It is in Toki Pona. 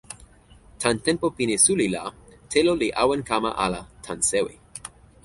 tan tenpo pini suli la telo li awen kama ala tan sewi.